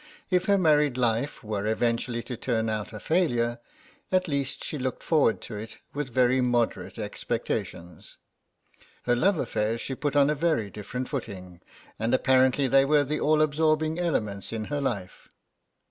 If her married life were eventually to turn out a failure, at least she looked forward to it with very moderate expectations. Her love affairs she put on a very different footing and apparently they were the all absorbing element in her life.